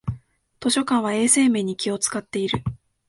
図書館は衛生面に気をつかっている